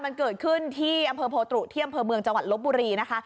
มันเกิดขึ้นที่อำเภอโพตรุที่อำเภอเมืองจังหวัดลบบุรีนะคะ